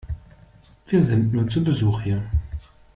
Wir sind nur zu Besuch hier.